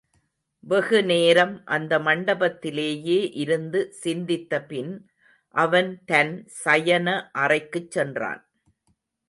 வெகு நேரம் அந்த மண்டபத்திலேயே இருந்து சிந்தித்தபின், அவன் தன் சயனஅறைக்குச் சென்றான்.